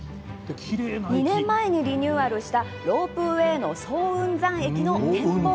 ２年前にリニューアルしたロープウエーの早雲山駅の展望